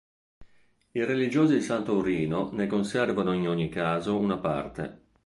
I religiosi di San Taurino ne conservano in ogni caso una parte.